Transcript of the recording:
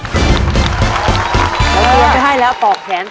เตรียมไปให้แล้วปอกแขน